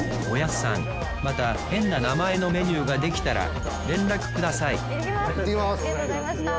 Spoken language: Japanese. おやっさんまた変な名前のメニューができたら連絡くださいいってきます！